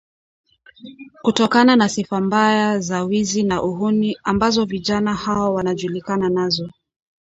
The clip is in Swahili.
Kutokana na sifa mbaya za wizi na uhuni mbazo vijana hao wanajulikana nazo